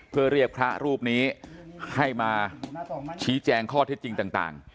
เพื่อเรียกพระรูปนี้ให้มาชี้แจงข้อเท็จจริงต่าง